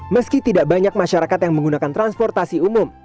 meski tidak banyak masyarakat yang menggunakan transportasi umum